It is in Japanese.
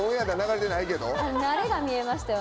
慣れが見えましたよ